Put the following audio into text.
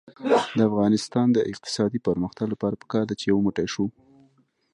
د افغانستان د اقتصادي پرمختګ لپاره پکار ده چې یو موټی شو.